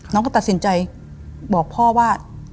น้องก็ตัดสินใจบอกพ่อว่า